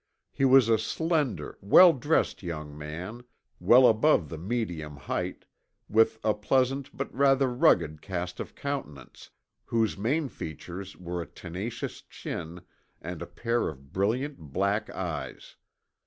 He was a slender, well dressed young man, well above the medium height, with a pleasant, but rather rugged cast of countenance, whose main features were a tenacious chin and a pair of brilliant black eyes.